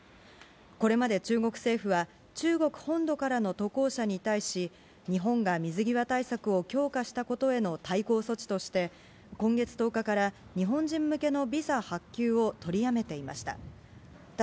これまで中国政府は、中国本土からの渡航者に対し、日本が水際対策を強化したことへの対抗措置として、今月１０日から、日本人向けのビザ発給を取りやめていました。